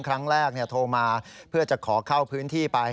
ครั้งแรกโทรมาเพื่อจะขอเข้าพื้นที่ไป